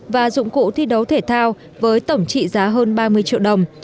và dụng cụ thi đấu thể thao với tổng trị giá hơn ba mươi triệu đồng